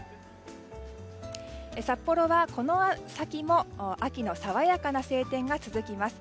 札幌は、この先も秋の爽やかな晴天が続きます。